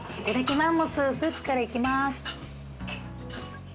スープから行きます。